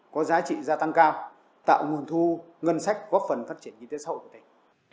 có giá trị gia tăng cao tạo nguồn thu ngân sách góp phần phát triển kinh tế xã hội của tỉnh